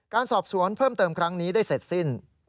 การสอบสวนเพิ่มเติมครั้งนี้ได้เสร็จสิ้น